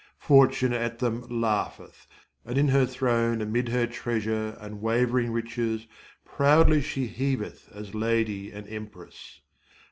Fortune at them laugheth, and in her throne Amid her treasure and wavering riches Proudly she heaveth as lady and empress.